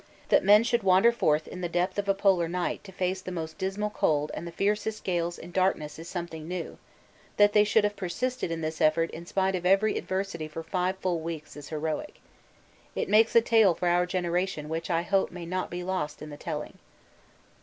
That men should wander forth in the depth of a Polar night to face the most dismal cold and the fiercest gales in darkness is something new; that they should have persisted in this effort in spite of every adversity for five full weeks is heroic. It makes a tale for our generation which I hope may not be lost in the telling.